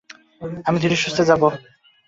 আমি ধীরে-সুস্থে যাবো।